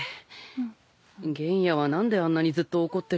玄弥は何であんなにずっと怒ってるんだろう。